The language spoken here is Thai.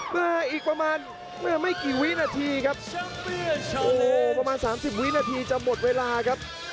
ไม่กี่วินาทีครับโอ้โหประมาณสามสิบวินาทีจะหมดเวลาครับ